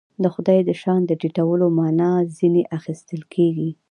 د خدای د شأن د ټیټولو معنا ځنې اخیستل کېږي.